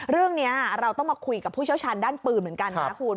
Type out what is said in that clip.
เรื่องนี้เราต้องมาคุยกับผู้เชี่ยวชาญด้านปืนเหมือนกันนะคุณ